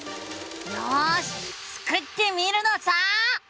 よしスクってみるのさ！